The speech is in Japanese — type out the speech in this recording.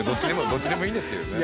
どっちでもいいんですけどね。